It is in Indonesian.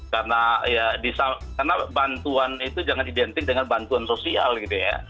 karena ya karena bantuan itu jangan identik dengan bantuan sosial gitu ya